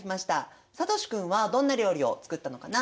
さとし君はどんな料理を作ったのかな？